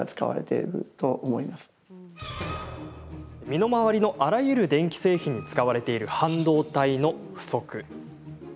身の回りのあらゆる電気製品に使われている半導体の不足。